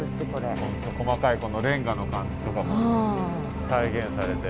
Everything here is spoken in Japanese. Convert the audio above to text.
本当細かいこのレンガの感じとかも再現されて。